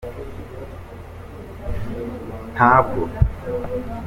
Ntabwo